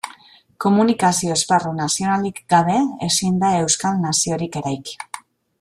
Komunikazio esparru nazionalik gabe, ezin da euskal naziorik eraiki.